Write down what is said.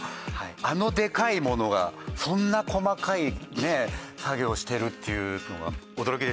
あのでかいものがそんな細かい作業をしてるっていうのが驚きでしたね。